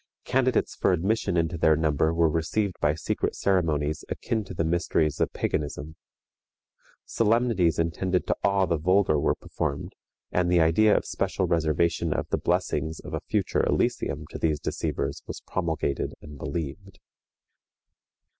Candidates for admission into their number were received by secret ceremonies akin to the mysteries of paganism. Solemnities intended to awe the vulgar were performed, and the idea of special reservation of the blessings of a future elysium to these deceivers was promulgated and believed.